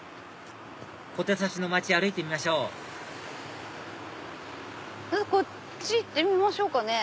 小手指の街歩いてみましょうこっち行ってみましょうかね